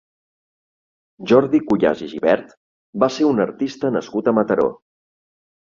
Jordi Cuyàs i Gibert va ser un artista nascut a Mataró.